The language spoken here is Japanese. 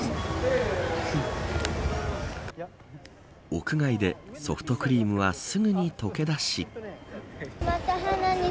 屋外でソフトクリームはすぐにとけ出し